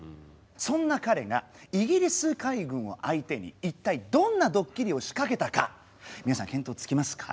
そんな彼がイギリス海軍を相手に一体どんなドッキリを仕掛けたか皆さん見当つきますか？